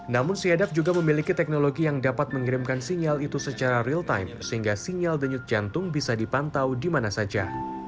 namun cdap juga memiliki teknologi yang dapat mengirimkan sinyal itu secara real time sehingga sinyal denyut jantung bisa dipantau di mana saja